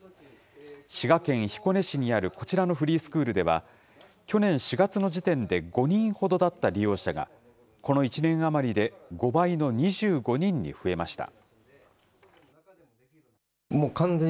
滋賀県彦根市にあるこちらのフリースクールでは、去年４月の時点で５人ほどだった利用者が、この１年余りで５倍の２５人に増えました。